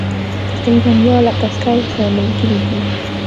تقریبا یو لک عسکر ورسره ملګري دي.